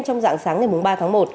trong dạng sáng ngày ba tháng một